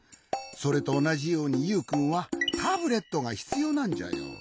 それとおなじようにユウくんはタブレットがひつようなんじゃよ。